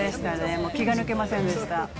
もう気が抜けませんでした。